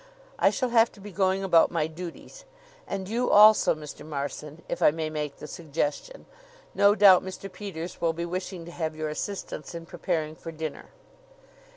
"I shall have to be going about my duties. And you, also, Mr. Marson, if I may make the suggestion. No doubt Mr. Peters will be wishing to have your assistance in preparing for dinner.